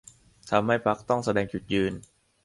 ทำให้พรรคต้องแสดงจุดยืน